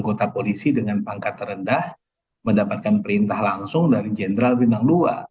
anggota polisi dengan pangkat terendah mendapatkan perintah langsung dari jenderal bintang dua